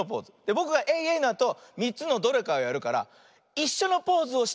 ぼくがエイエイのあと３つのどれかをやるからいっしょのポーズをしたらかち。